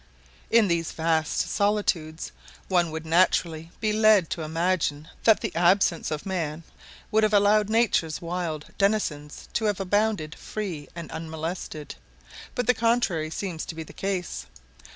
In these vast solitudes one would naturally be led to imagine that the absence of man would have allowed Nature's wild denizens to have abounded free and unmolested; but the contrary seems to be the case.